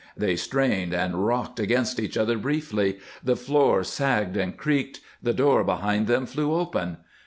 They strained and rocked against each other briefly; the floor sagged and creaked; the door behind them flew open.